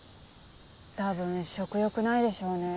多分食欲ないでしょうね。